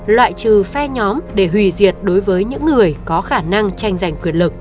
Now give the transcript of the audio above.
loại trừ phe nhóm để hủy diệt đối với những người có khả năng tranh giành quyền lực